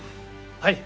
はい！